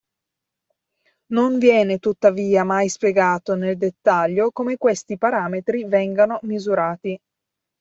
Non viene tuttavia mai spiegato nel dettaglio come questi parametri vengano misurati.